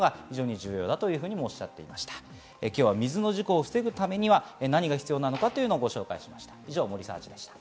今日は水の事故を防ぐためには何が必要なのかをご紹介しました。